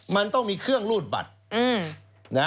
มันต้องมีเครื่องรูดบัตร